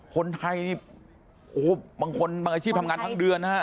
คนไทยนี่โอ้โหบางคนบางอาชีพทำงานทั้งเดือนนะฮะ